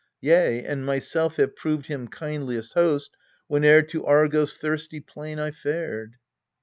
Yea, and myself have proved him kindliest host Whene'er to Argos' thirsty plain I fared.